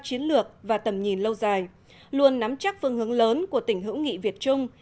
chiến lược và tầm nhìn lâu dài luôn nắm chắc phương hướng lớn của tỉnh hữu nghị việt trung